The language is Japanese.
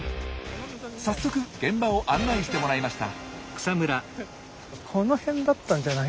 早速現場を案内してもらいました。